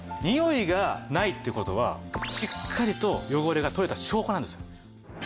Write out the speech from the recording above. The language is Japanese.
においがないって事はしっかりと汚れが取れた証拠なんです。